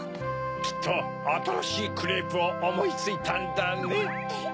きっとあたらしいクレープをおもいついたんだね。